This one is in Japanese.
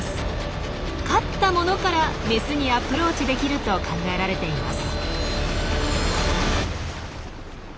勝った者からメスにアプローチできると考えられています。